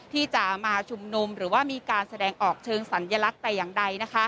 ที่จะมาชุมนุมหรือว่ามีการแสดงออกเชิงสัญลักษณ์แต่อย่างใด